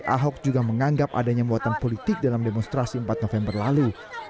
ahok juga menganggap adanya muatan politik dalam demonstrasi empat november lalu